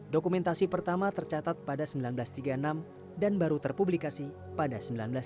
dokumentasi pertama tercatat pada seribu sembilan ratus tiga puluh enam dan baru terpublikasi pada seribu sembilan ratus sembilan puluh